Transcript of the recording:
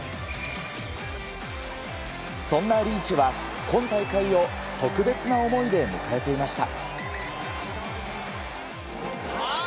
そんなリーチは今大会を特別な思いで迎えていました。